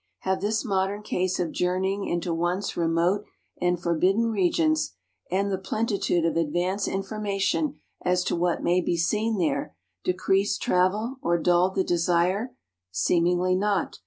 Have this modern ease of journeying into once remote and forbidden regions, and the plentitude of advance information as to what may be seen there, decreased travel or dulled the desire? Seemingly not.